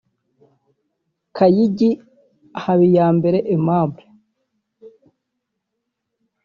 Kayigi Habiyambere Aimable